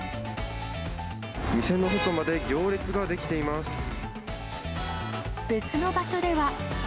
店の外まで行列が出来ていま別の場所では。